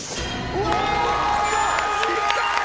うわ！